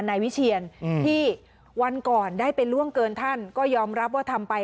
นายวิเชียนที่วันก่อนได้ไปล่วงเกินท่านก็ยอมรับว่าทำไป